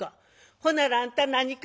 「ほならあんた何か？